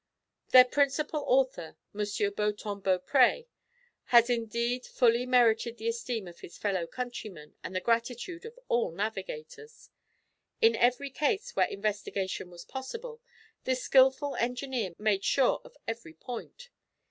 Their principal author, M. Beautemps Beaupré has indeed fully merited the esteem of his fellow countrymen and the gratitude of all navigators. In every case where investigation was possible, this skilful engineer made sure of every point.